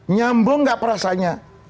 nyambung gak perasanya